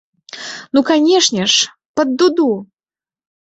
Ну, канешне ж, пад дуду!